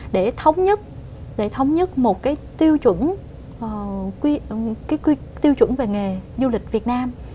để thống nhất một cái tiêu chuẩn về nghề du lịch việt nam